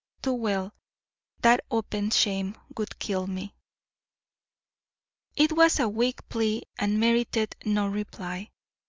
too well, that open shame would kill me." It was a weak plea and merited no reply.